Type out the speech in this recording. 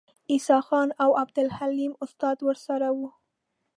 عیسی خان او عبدالحلیم استاد ورسره وو.